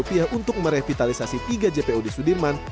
untuk merevitalisasi tiga jpo di sudirman